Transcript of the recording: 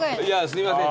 すいません。